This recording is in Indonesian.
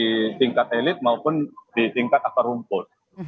di tingkat elit maupun di tingkat akar rumput